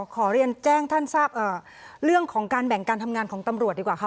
ขอเรียนแจ้งท่านทราบเรื่องของการแบ่งการทำงานของตำรวจดีกว่าค่ะ